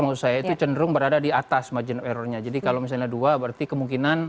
menurut saya itu cenderung berada di atas margin errornya jadi kalau misalnya dua berarti kemungkinan